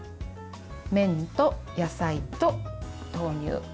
麺と野菜と豆乳。